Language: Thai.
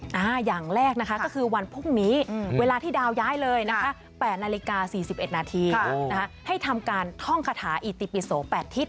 อย่างแรกนะคะก็คือวันพรุ่งนี้เวลาที่ดาวย้ายเลยนะคะ๘นาฬิกา๔๑นาทีให้ทำการท่องคาถาอิติปิโส๘ทิตย